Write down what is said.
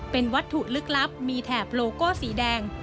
เป็นวัตถุลึกลับมีแถบโลโก้สีแดง